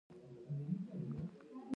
غرونه د افغانستان د موسم د بدلون سبب کېږي.